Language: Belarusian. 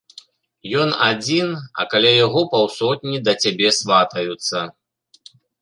Ён адзін, а каля яго паўсотні да цябе сватаюцца.